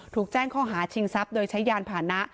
ถูกแจ้งข้อหาชิงทรัพย์โดยใช้ยานผ่านนะ